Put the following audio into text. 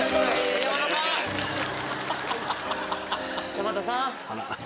山田さん？